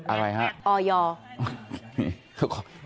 อะไรหรือครับอย